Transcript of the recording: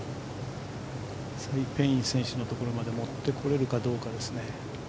サイ・ペイイン選手のところまで持ってこれるかどうかですね。